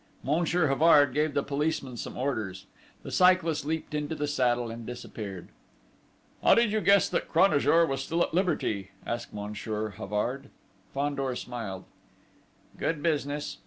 Monsieur Havard gave the policeman some orders. The cyclist leaped into the saddle and disappeared. "How did you guess that Cranajour was still at liberty?" asked Monsieur Havard. Fandor smiled. "Good business!